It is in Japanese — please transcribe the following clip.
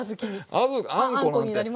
あんこなんて。